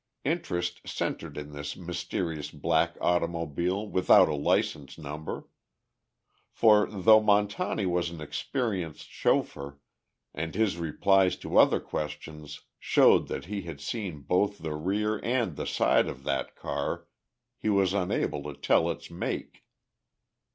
Interest centered in this mysterious black automobile without a license number. For, though Montani was an experienced chauffeur, and his replies to other questions showed that he had seen both the rear and the side of that car, he was unable to tell its make.